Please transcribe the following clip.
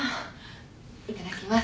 いただきます。